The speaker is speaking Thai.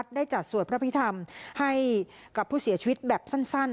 ได้จัดสวดพระพิธรรมให้กับผู้เสียชีวิตแบบสั้น